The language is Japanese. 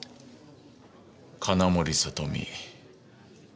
金森里美。